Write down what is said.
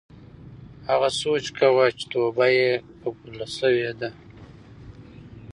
هغه سوچ کاوه چې توبه یې قبوله شوې ده.